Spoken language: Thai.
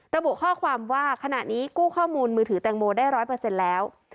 ระบุข้อความว่าขณะนี้กู้ข้อมูลมือถือแตงโมได้๑๐๐แล้ว